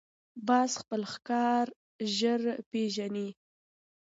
باز خپل ښکار ژر پېژني